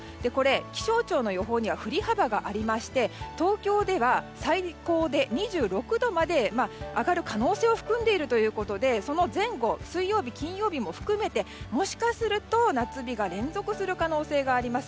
気象庁の予報には振り幅がありまして東京では最高で２６度まで上がる可能性を含んでいるということでその前後水曜日、金曜日も含めてもしかすると夏日が連続する可能性があります。